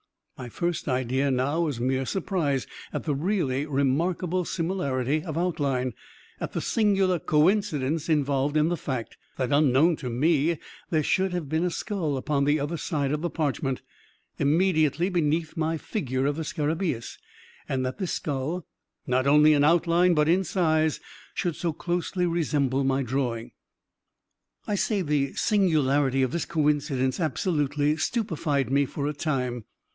My first idea, now, was mere surprise at the really remarkable similarity of outline at the singular coincidence involved in the fact that, unknown to me, there should have been a skull upon the other side of the parchment, immediately beneath my figure of the scarabaeus, and that this skull, not only in outline but in size, should so closely resemble my drawing. I say the singularity of this coincidence absolutely stupefied me for a time.